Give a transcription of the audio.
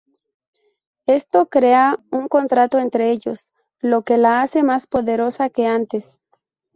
Esto crea un contrato entre ellos, lo que la hace más poderosa que antes.